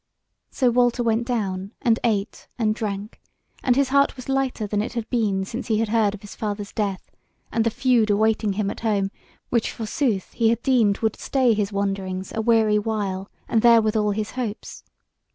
So Walter went down and ate and drank, and his heart was lighter than it had been since he had heard of his father's death, and the feud awaiting him at home, which forsooth he had deemed would stay his wanderings a weary while, and therewithal his hopes.